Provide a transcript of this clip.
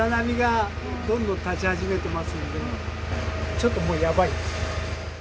ちょっともうやばいですね。